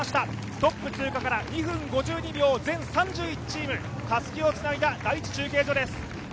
トップ通過から２分５２秒、全３１チーム、たすきをつないだ第１中継所です。